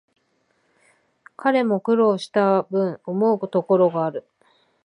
彼も苦労したぶん、思うところがある